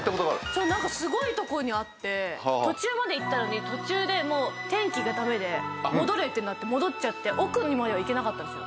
何かすごいとこにあって途中まで行ったのに途中でもう天気が駄目で戻れってなって戻っちゃって奥にまでは行けなかったんですよ。